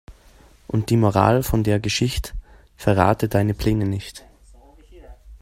Und die Moral von der Geschicht': Verrate deine Pläne nicht.